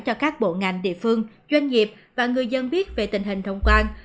cho các bộ ngành địa phương doanh nghiệp và người dân biết về tình hình thông quan